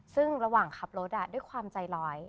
ซึ่งระหว่างขับรถด้วยความใจร้อย